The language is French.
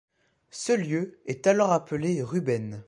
Ce lieu est alors appelé Ruben.